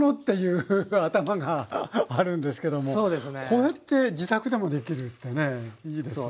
こうやって自宅でもできるってねいいですね。